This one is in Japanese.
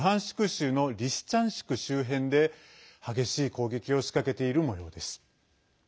州のリシチャンシク周辺で激しい攻撃を仕掛けているもようです。